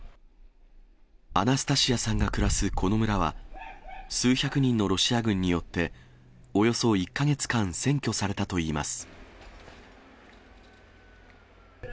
アナスタシアさんが暮らすこの村は、数百人のロシア軍によって、およそ１か月間占拠されたといいます。